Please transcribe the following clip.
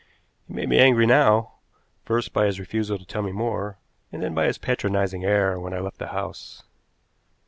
He made me angry now, first by his refusal to tell me more, and then by his patronizing air when I left the house.